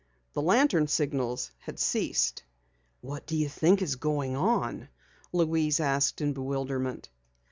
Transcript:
The lantern signals had ceased. "What do you think is going on?" Louise asked in bewilderment.